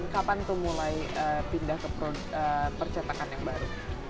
kapan tuh mulai pindah ke percetakan yang baru